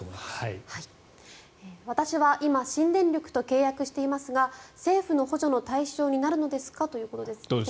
私は今新電力と契約していますが政府の補助の対象になるのですかということです。